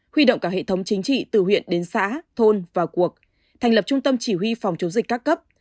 huy động cả hệ thống chính trị từ huyện đến xã thôn vào cuộc thành lập trung tâm chỉ huy phòng chống dịch các cấp